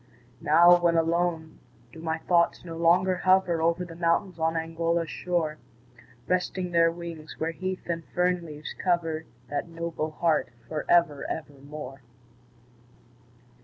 Now, when alone, do my thoughts no longer hover Over the mountains on Angora's shore, Resting their wings, where heath and fern leaves cover That noble heart for ever, ever more?